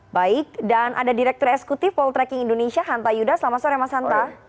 baik dan ada direktur eksekutif poltreking indonesia hanta yuda selamat sore mas hanta